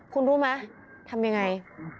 คุณรู้ไหมทำยังไง